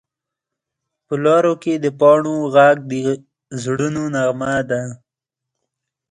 په لارو کې د پاڼو غږ د زړونو نغمه ده